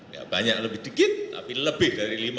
ya banyak lebih dikit tapi lebih dari lima